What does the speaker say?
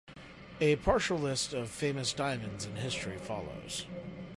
A partial list of famous diamonds in history follows.